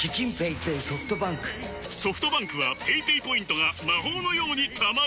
ソフトバンクはペイペイポイントが魔法のように貯まる！